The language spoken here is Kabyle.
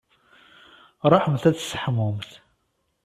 Ṛuḥemt ad tseḥmumt.